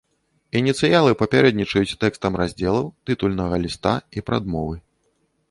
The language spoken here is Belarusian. Ініцыялы папярэднічаюць тэкстам раздзелаў, тытульнага ліста і прадмовы.